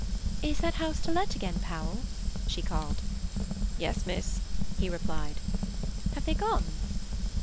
"Is that house to let again, Powell?" she called. "Yes, miss," he replied. "Have they gone?"